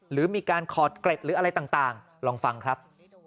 หรือมีการขอดเกร็ดหรืออะไรต่างลองฟังครับ